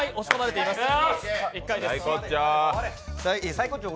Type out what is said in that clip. サイコッチョー！